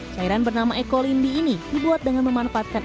cairan bernama eko lindi ini dibuat dengan memanfaatkan